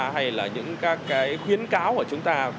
hay những khuyến cáo của chúng ta